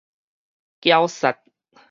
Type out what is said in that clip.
筊虱